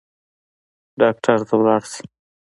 ډاکټر ته لاړ شئ